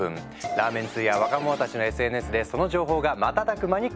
ラーメン通や若者たちのＳＮＳでその情報が瞬く間に拡散。